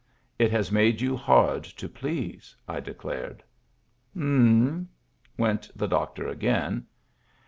" It has made you hard to please," I declared. " M*m," went the doctor again.